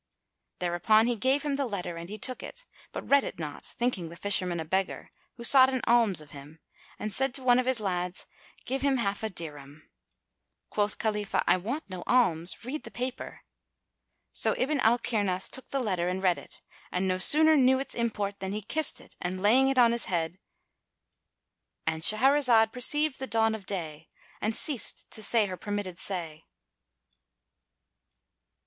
Thereupon he gave him the letter and he took it, but read it not, thinking the Fisherman a beggar, who sought an alms of him, and said to one of his lads, "Give him half a dirham." Quoth Khalifah, "I want no alms; read the paper." So Ibn al Kirnas took the letter and read it; and no sooner knew its import than he kissed it and laying it on his head—And Shahrazad perceived the dawn of day and ceased to say her permitted say.